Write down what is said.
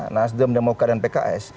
nasdem demokrat dan pks